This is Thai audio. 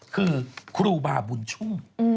คือครูบาบุญชุ่ม